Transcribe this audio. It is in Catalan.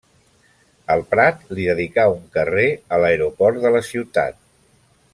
El Prat li dedicà un carrer a l'aeroport de la ciutat.